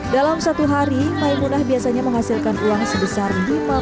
dalam satu hari maimunah biasanya menghasilkan uang sebesar lima rupiah